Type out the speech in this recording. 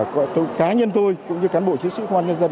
cá nhân tôi cũng như cán bộ chức sĩ quan nhân dân